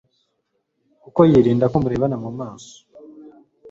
kuko yirinda ko murebana mu maso